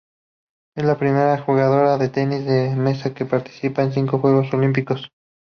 Es la primera jugadora de tenis de mesa que participa en cinco Juegos Olímpicos.